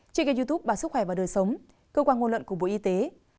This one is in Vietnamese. trên kênh youtube bà sức khỏe và đời sống cơ quan ngôn luận của bộ y tế